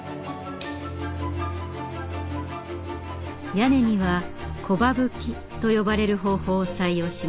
屋根には木羽葺と呼ばれる方法を採用しました。